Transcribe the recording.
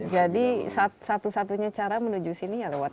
jadi satu satunya cara menuju sini ya lewat